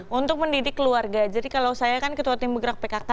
return creation kita beneree yang kita tekankan tapi kan integritas